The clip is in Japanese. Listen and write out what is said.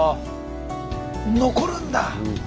残るんだ！